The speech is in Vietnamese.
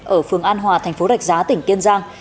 ở phường an hòa thành phố rạch giá tỉnh kiên giang